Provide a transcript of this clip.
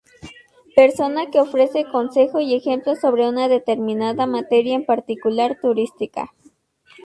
Persona que ofrece consejo y ejemplo sobre una determinada materia, en particular, turística.